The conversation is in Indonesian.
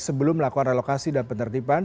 sebelum melakukan relokasi dan penertiban